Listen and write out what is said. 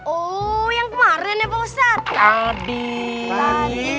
oh yang kemarin ya pak ustadz